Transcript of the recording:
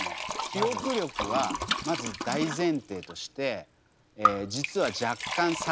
記憶力はまず大前提として実は若干差があります。